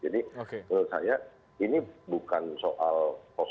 jadi menurut saya ini bukan soal kesalahan pemilu